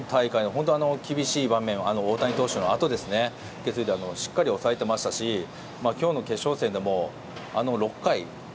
本当に厳しい場面を大谷投手のあとしっかり抑えていましたし今日の決勝戦でも、あの６回。